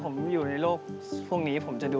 ไม่มีนุฏ